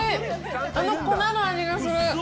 あの粉の味がする。